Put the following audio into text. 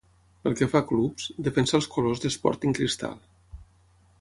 Pel que fa a clubs, defensà els colors de Sporting Cristal.